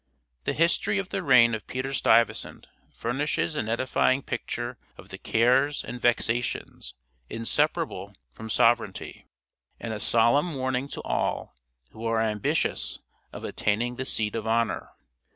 The history of the reign of Peter Stuyvesant furnishes an edifying picture of the cares and vexations inseparable from sovereignty, and a solemn warning to all who are ambitious of attaining the seat of honor.